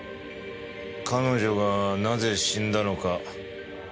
彼女がなぜ死んだのか。